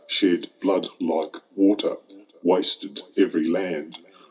175 Shed blood like water, wasted ereiy land.